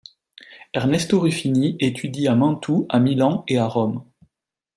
Ernesto Ruffini étudie à Mantoue, à Milan et à Rome.